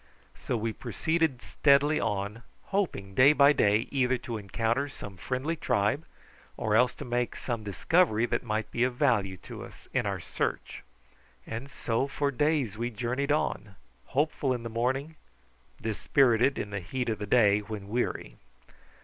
So we proceeded steadily on, hoping day by day either to encounter some friendly tribe, or else to make some discovery that might be of value to us in our search. And so for days we journeyed on, hopeful in the morning, dispirited in the heat of the day when weary.